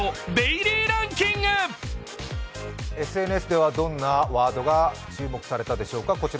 ＳＮＳではどんなワードが注目されたでしょうか。